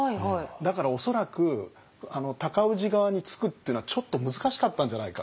だから恐らく尊氏側につくっていうのはちょっと難しかったんじゃないか。